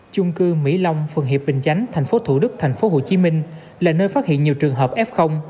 chung cư mỹ long phường hiệp bình chánh tp thủ đức tp hcm là nơi phát hiện nhiều trường hợp f